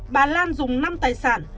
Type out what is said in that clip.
bà lan dùng năm tài sản